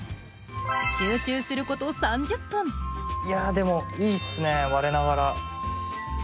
集中すること３０分いやでもいいっすね我ながら。